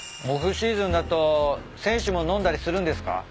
オフシーズンだと選手も飲んだりするんですか？